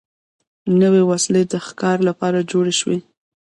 نوې وسلې د ښکار لپاره جوړې شوې.